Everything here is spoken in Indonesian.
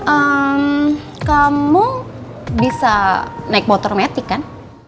eh kamu bisa naik motor metik kan